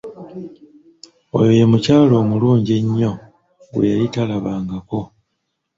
Oyo ye mukyala omulungi ennyo gwe yali talababangako.